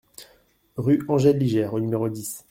Rue Angèle Ligère au numéro dix